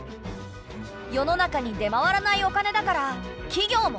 世の中に出回らないお金だから企業も借りられない。